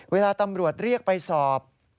เวลาตำรวจเรียกไปสอบ